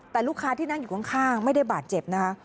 แต่ลูกค้าที่นั่งอยู่ข้างไม่ได้บาดเจ็บนะคะ